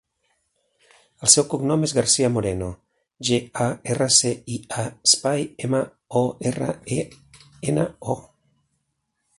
El seu cognom és Garcia Moreno: ge, a, erra, ce, i, a, espai, ema, o, erra, e, ena, o.